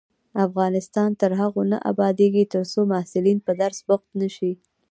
افغانستان تر هغو نه ابادیږي، ترڅو محصلین په درس بوخت نشي.